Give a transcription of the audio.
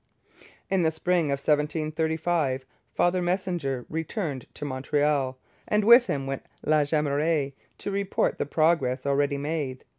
In the spring of 1735 Father Messager returned to Montreal, and with him went La Jemeraye, to report the progress already made.